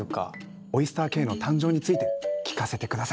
オイスターＫの誕生について聞かせて下さい。